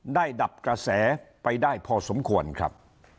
ดับกระแสไปได้พอสมควรครับ